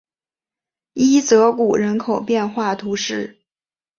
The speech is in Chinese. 伊泽谷人口变化图示